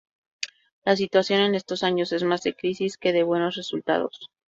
La situación en estos años es más de crisis que de buenos resultados.